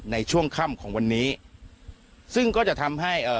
ในช่วงค่ำของวันนี้ซึ่งก็จะทำให้เอ่อ